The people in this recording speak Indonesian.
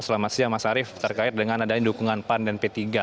selamat siang mas arief terkait dengan adanya dukungan pan dan p tiga